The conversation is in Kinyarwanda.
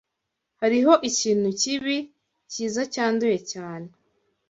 Hariho ikintu kibi, cyiza cyanduye cyane!